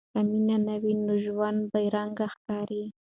که مینه نه وي، نو ژوند بې رنګه ښکاري.